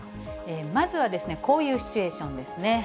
まずはこういうシチュエーションですね。